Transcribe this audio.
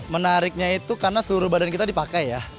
menariknya itu karena seluruh badan kita dipakai ya